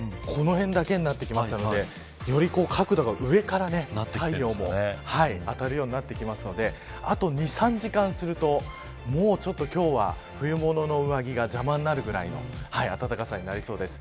この辺だけになってきましたのでより角度が上から太陽も当たるようになってくるのであと２、３時間するとちょっと今日は冬物の上着が邪魔になるくらいの暖かさになりそうです。